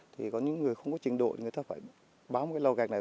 thì có những người không có trình độ thì người thấp phải báo cái loa gạch này